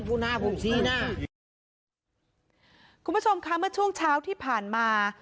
คุณผู้ชมค่ะเมื่อช่วงเช้าที่ผ่านมา